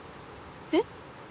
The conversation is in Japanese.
えっ？